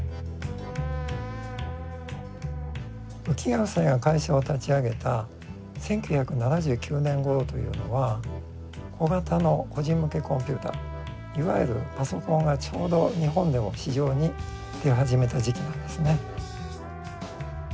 浮川夫妻が会社を立ち上げた１９７９年ごろというのは小型の個人向けコンピューターいわゆるパソコンがちょうど日本でも市場に出始めた時期なんですね。